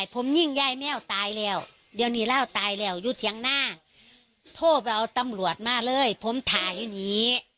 อยู่ที่ข้างหน้าโทษไปเอาตำรวจมาเลยผมถ่ายอยู่นี่